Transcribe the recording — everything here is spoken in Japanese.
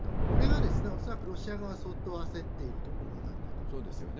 これが恐らくロシア側が相当焦っているところなんだと思います。